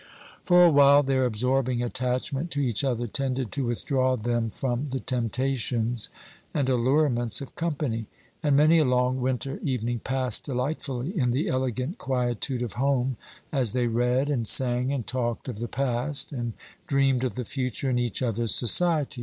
For a while their absorbing attachment to each other tended to withdraw them from the temptations and allurements of company; and many a long winter evening passed delightfully in the elegant quietude of home, as they read, and sang, and talked of the past, and dreamed of the future in each other's society.